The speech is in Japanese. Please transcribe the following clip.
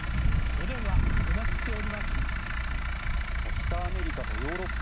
北アメリカとヨーロッパ